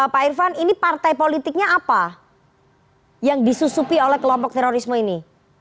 pak irfan ini partai politiknya apa yang disusupi oleh kelompok terorisme ini